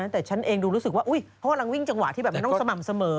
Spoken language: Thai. แต่ฉันเองดูรู้สึกว่าเขากำลังวิ่งจังหวะที่แบบมันต้องสม่ำเสมอ